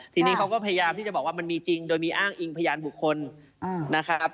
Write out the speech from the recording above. ทีนี้เขาก็พยายามที่จะบอกว่ามันมีจริงโดยมีอ้างอิงพยานบุคคลนะครับ